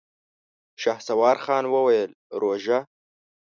شهسوار خان وويل: روژه؟!